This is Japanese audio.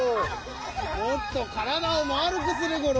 もっとからだをまるくするゴロ。